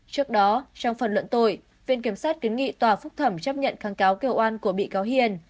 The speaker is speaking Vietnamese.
trước đó trong phần luận tội viện kiểm sát kiến nghị tòa phúc thẩm chấp nhận kháng cáo kêu oan của bị cáo hiền